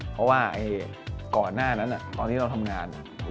เพราะว่าก่อนหน้านั้นตอนที่เราทำงาน